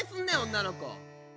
女の子。